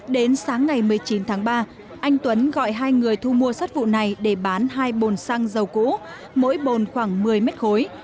đến sáng ngày một mươi chín tháng ba anh tuấn gọi hai người thu mua sát vụ này để bán hai bồn xăng dầu cũ mỗi bồn khoảng một mươi mét khối